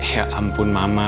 ya ampun mama